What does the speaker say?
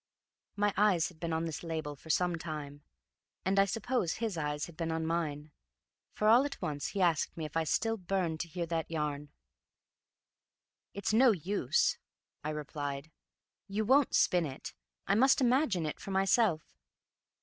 My eyes had been on this label for some time, and I suppose his eyes had been on mine, for all at once he asked me if I still burned to hear that yarn. "It's no use," I replied. "You won't spin it. I must imagine it for myself."